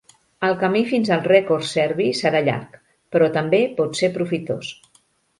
El camí fins al rècord serbi serà llarg, però també pot ser profitós.